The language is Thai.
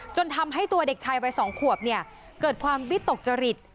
จนทำให้ตัวเด็กชายวัย๒ขวบเกิดความวิตกจริต